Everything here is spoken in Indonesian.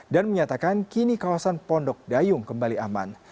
dan menyatakan kini kawasan pondok dayung kembali aman